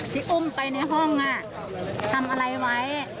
ที่อุ้มไปในห้องทำอะไรไว้